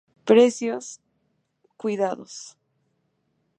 Precios cuidados.